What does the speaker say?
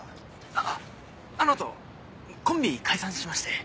あっあの後コンビ解散しまして。